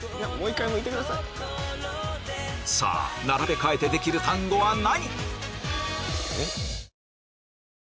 さぁ並べ替えてできる単語は何？